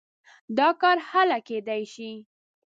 دا کار هله کېدای شي.